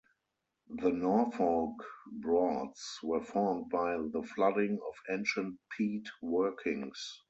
The Norfolk Broads were formed by the flooding of ancient peat workings.